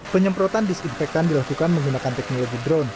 penyemprotan disinfektan dilakukan menggunakan teknologi drone